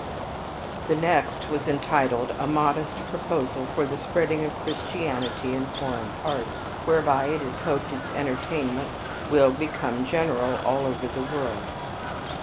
The next was entitled, "A modest proposal for the spreading of Christianity in foreign parts, whereby it is hoped its entertainment will become general all over the world."